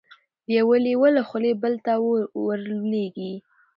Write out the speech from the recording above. د یوه لېوه له خولې بل ته ور لوېږي